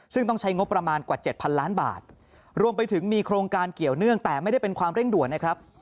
ซึ่งต้องใช้งบประมาณกว่าเจ็ดพันล้านบาทรวมไปถึงมีโครงการเกี่ยวเนื่องแต่ไม่ได้เป็นความเร่งด่วนนะครับ